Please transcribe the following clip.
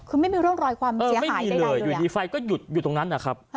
คือไม่มีร่องรอยความเสียหายเลยอยู่ดีไฟก็หยุดอยู่ตรงนั้นนะครับ